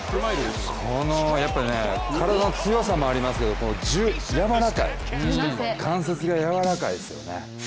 この、体の強さもありますが柔らかい、関節がやわらかいですよね。